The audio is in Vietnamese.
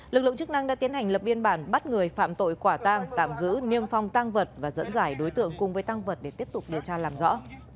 lực lượng chức năng đã tiến hành lập biên bản bắt người phạm tội quả tang tạm giữ niêm phong tăng vật và dẫn dải đối tượng cùng với tăng vật để tiếp tục điều tra làm rõ